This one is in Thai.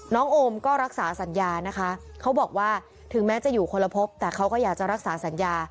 โอมก็รักษาสัญญานะคะเขาบอกว่าถึงแม้จะอยู่คนละพบแต่เขาก็อยากจะรักษาสัญญา